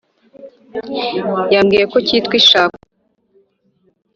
yambwiye ko kitwa ishakwe.